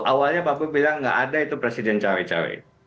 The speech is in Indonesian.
awalnya pablo bilang gak ada itu presiden cewek cewek